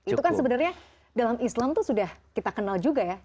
itu kan sebenarnya dalam islam itu sudah kita kenal juga ya